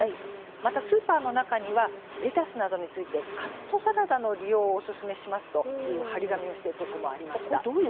またスーパーの中にはレタスなどについてカットサラダの利用をおすすめしますという貼り紙をしているところもありました。